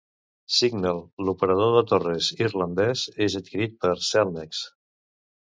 Cignal, l'operador de torres irlandès, és adquirit per Cellnex.